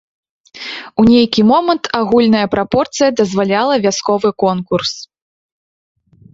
У нейкі момант агульная прапорцыя дазваляла вясковы конкурс.